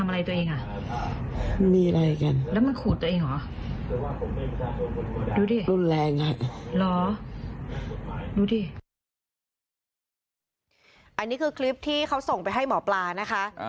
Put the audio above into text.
อันนี้คือคลิปที่เขาส่งไปให้หมอปลานะคะ